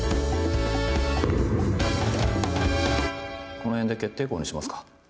この辺で決定稿にしますか。